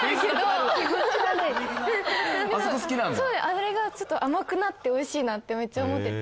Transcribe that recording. あれがちょっと甘くなっておいしいなってめっちゃ思ってて。